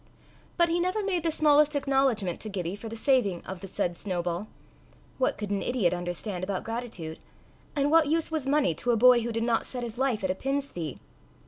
But he never made the smallest acknowledgment to Gibbie for the saving of the said Snowball: what could an idiot understand about gratitude? and what use was money to a boy who did not set his life at a pin's fee?